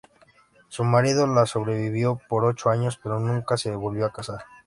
Su marido la sobrevivió por ocho años, pero nunca se volvió a casar.